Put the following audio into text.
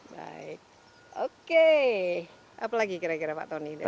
baik oke apa lagi kira kira pak tony